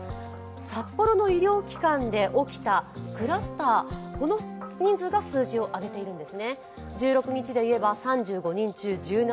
札幌の医療機関で起きたクラスターの人数が数字を上げているんです。